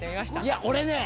いや俺ね